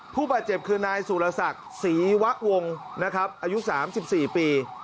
ผู้บาดเจ็บคือนายสุรศักดิ์ศรีวะวงนะครับอายุ๓๔ปี